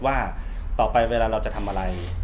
ว่าต่อไปเวลาเราจะทำอะไร